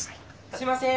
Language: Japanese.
すいません。